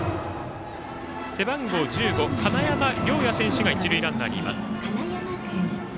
背番号１５、金山涼矢選手が一塁ランナーにいます。